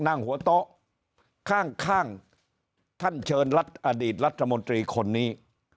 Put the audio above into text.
นั่งหัวโต๊ะข้างท่านเชิญรัฐอดีตรัฐมนตรีคนนี้